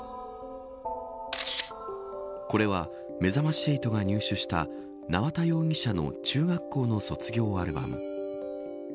これは、めざまし８が入手した縄田容疑者の中学校の卒業アルバム。